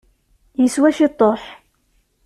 Yeswa ciṭuḥ.